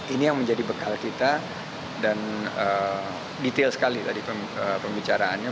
ini yang menjadi bekal kita dan detail sekali tadi pembicaraannya